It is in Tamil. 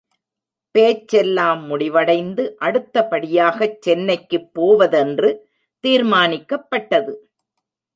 பேச்செல்லாம் முடிவடைந்து அடுத்தபடியாகச் சென்னைக்குப் போவதென்று தீர்மானிக்கப் பட்டது.